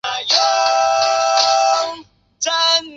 白音大赉则继续率起义军同清军战斗。